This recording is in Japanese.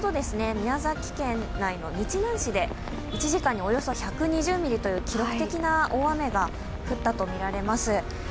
宮崎県内の日南市で１時間におよそ１２０ミリという記録的な大雨が降ったとみられます。